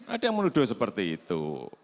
ada yang menuduh seperti itu